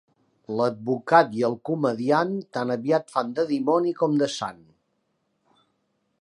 L'advocat i el comediant tan aviat fan de dimoni com de sant.